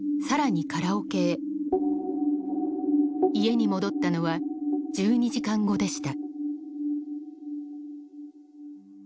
家に戻ったのは１２時間後でした。